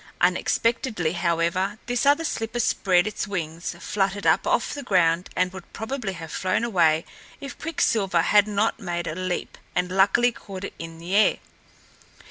Unexpectedly, however, this other slipper spread its wings, fluttered up off the ground and would probably have flown away if Quicksilver had not made a leap and luckily caught it in the air.